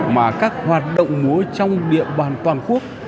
mà các hoạt động múa trong địa bàn toàn quốc